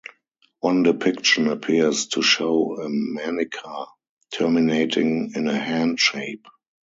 One depiction appears to show a manica terminating in a hand shape.